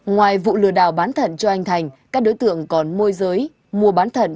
ngoài vụ lừa đảo bán thẩn cho anh thành các đối tượng còn môi giới mua bán thẩn